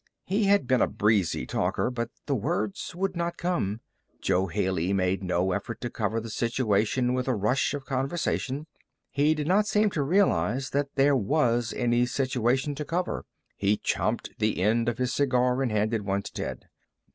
He had been a breezy talker. But the words would not come. Jo Haley made no effort to cover the situation with a rush of conversation. He did not seem to realize that there was any situation to cover. He champed the end of his cigar and handed one to Ted.